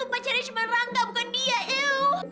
aku tuh pacarnya cuma rangka bukan dia eww